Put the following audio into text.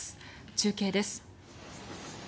中継です。